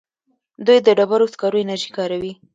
دوی د ډبرو سکرو انرژي کاروي.